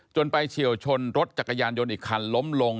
ไปเฉียวชนรถจักรยานยนต์อีกคันล้มลง